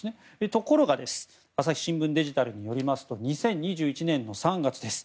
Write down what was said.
ところが朝日新聞デジタルによりますと２０２１年の３月です。